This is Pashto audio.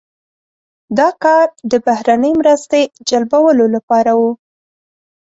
دا کار د بهرنۍ مرستې جلبولو لپاره و.